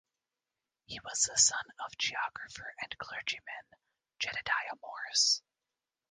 He was the son of geographer and clergyman Jedidiah Morse.